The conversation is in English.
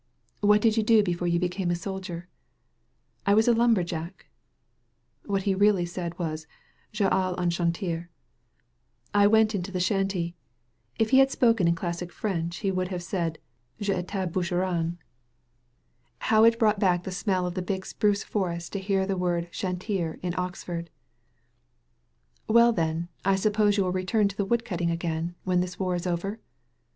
"What did you do before you became a sol dier?" "I was a lumberjack." (What he really said was, ^^TaUaU en chantiery" I went in the shanty." If he had spoken in classic French he would have said, T6taiB bAcheron.*^ 166 "I was a lumberjack.' SKETCHES OP QUEBEC How it brought back the smell of the big spruce forest to hear that word chantier^ in Oxford !) "Well, then, I suppose you will return to the wood cutting again, when this war is over."